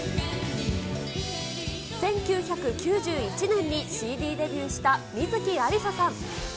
１９９１年にＣＤデビューした観月ありささん。